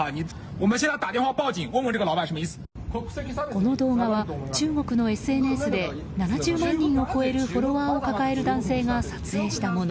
この動画は中国のＳＮＳで７０万人を超えるフォロワーを抱える男性が撮影したもの。